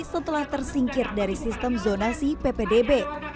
setelah tersingkir dari sistem zonasi ppdb